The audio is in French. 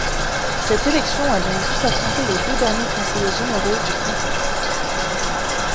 Cette élection a donc vu s'affronter les deux derniers conseillers généraux du canton.